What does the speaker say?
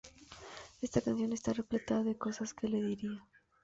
Esta canción está repleta de cosas que le diría".